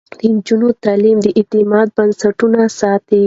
د نجونو تعليم د اعتماد بنسټونه ساتي.